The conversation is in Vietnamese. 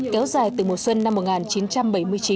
kéo dài từ mùa xuân năm một nghìn chín trăm bảy mươi chín